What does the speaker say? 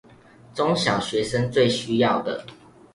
中小學生最需要的